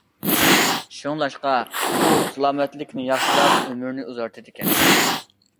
شۇڭلاشقا، ئۇ سالامەتلىكنى ياخشىلاپ، ئۆمۈرنى ئۇزارتىدىكەن.